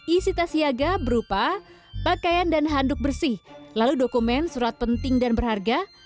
isi tas siaga berupa pakaian dan handuk bersih lalu dokumen surat penting dan berharga